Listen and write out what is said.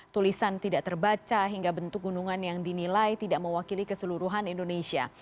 tulisan tidak terbaca hingga bentuk gunungan yang dinilai tidak mewakili keseluruhan indonesia